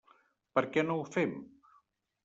Per què no ho fem?